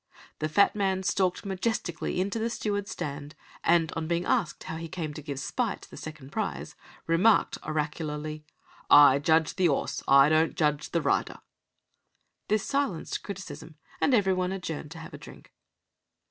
The fat man stalked majestically into the stewards' stand, and on being asked how he came to give Spite the second prize, remarked oracularly: "I judge the 'orse, I don't judge the rider." This silenced criticism, and everyone adjourned to have a drink.